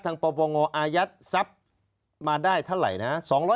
ทางประวงออายัดทรัพย์มาได้เท่าไรนะ